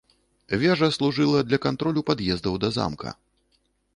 Вежа служыла для кантролю пад'ездаў да замка.